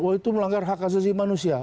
wah itu melanggar hak azazi manusia